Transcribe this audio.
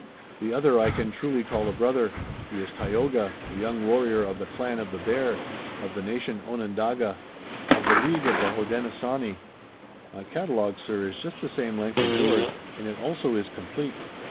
The other I can truly call a brother. He is Tayoga, a young warrior of the clan of the Bear, of the nation Onondaga, of the League of the Hodenosaunee. My catalogue, sir, is just the same length as yours, and it also is complete."